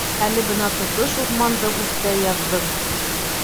Әле бына тотош урманды үртәй яҙҙың!